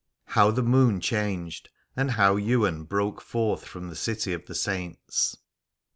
HOW THE MOON CHANGED, AND HOW YWAIN BROKE FORTH FROM THE CITY OF THE SAINTS.